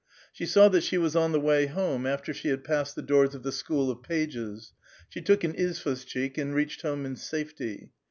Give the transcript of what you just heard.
Sho saw that she was on the wav home after she had passod Ihe d»»ors of the ''School of Pages"; she took an izrnshchik and reached home in safety.